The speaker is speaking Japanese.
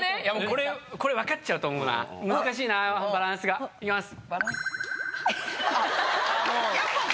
これ分かっちゃうと思うなぁ難しいなバランスが。いきます。